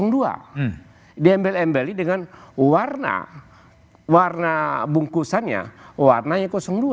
diembel embeli dengan warna warna bungkusannya warnanya dua